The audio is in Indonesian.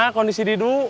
gimana kondisi didu